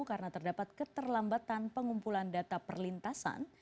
karena terdapat keterlambatan pengumpulan data perlintasan